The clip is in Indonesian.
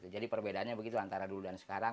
jadi perbedaannya begitu antara dulu dan sekarang